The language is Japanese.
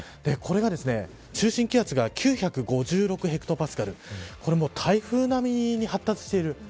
これが中心気圧が９５６ヘクトパスカル台風並みに発達している。